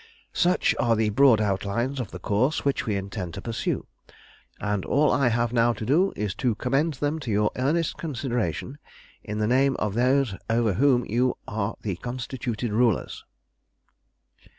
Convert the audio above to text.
"Such are the broad outlines of the course which we intend to pursue, and all I have now to do is to commend them to your earnest consideration in the name of those over whom you are the constituted rulers."